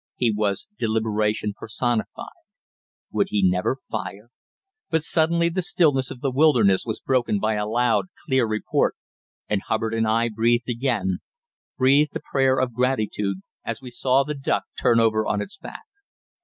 He was deliberation personified. Would he never fire? But suddenly the stillness of the wilderness was broken by a loud, clear report. And Hubbard and I breathed again, breathed a prayer of gratitude, as we saw the duck turn over on its back.